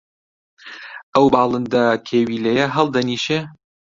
ئەو باڵندە کێویلەیە هەڵدەنیشێ؟